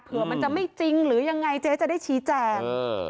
เผื่อมันจะไม่จริงหรือยังไงเจ๊จะได้ชี้แจง